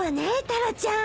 タラちゃん。